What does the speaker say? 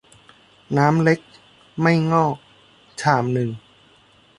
เล็กน้ำ ไม่งอก ชามนึง